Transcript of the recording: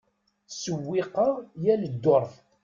Ttsewwiqeɣ yal ddurt.